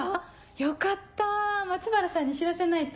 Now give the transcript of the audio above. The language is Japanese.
よかった松原さんに知らせないと。